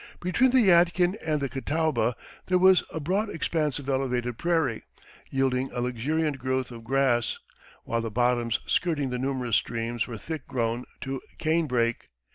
Between the Yadkin and the Catawba there was a broad expanse of elevated prairie, yielding a luxuriant growth of grass, while the bottoms skirting the numerous streams were thick grown to canebrake.